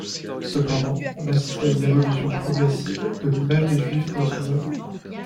Cependant, on assiste à une évolution progressive de l'image des Juifs dans son œuvre.